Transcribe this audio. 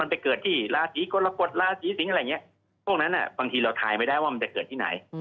ไปเกิดที่ราศีกรกฎราศีสิงศ์อะไรอย่างนี้พวกนั้นบางทีเราทายไม่ได้ว่ามันจะเกิดที่ไหน